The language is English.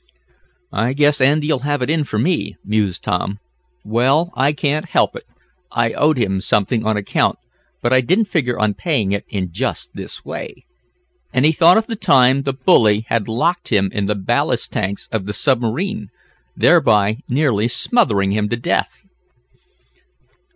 "I guess Andy'll have it in for me," mused Tom. "Well, I can't help it. I owed him something on account, but I didn't figure on paying it in just this way," and he thought of the time the bully had locked him in the ballast tanks of the submarine, thereby nearly smothering him to death.